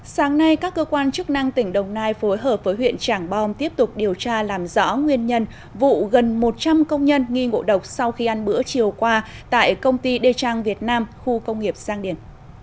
sáng nay các cơ quan chức năng tỉnh đồng nai phối hợp với huyện trảng bom tiếp tục điều tra làm rõ nguyên nhân vụ gần một trăm linh công nhân nghi ngộ độc sau khi ăn bữa chiều qua tại công ty đê trang việt nam khu công nghiệp giang điển